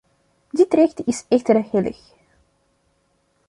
Dit recht is echter heilig.